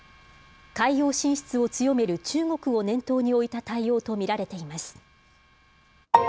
海洋進出を強める中国を念頭に置いた対応と見られています。